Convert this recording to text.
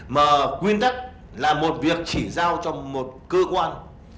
mà quyên tắc là một việc chỉ giao cho một cơ quan